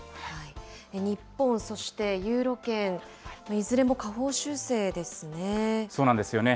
日本、そしてユーロ圏、いずれも下方修正ですね。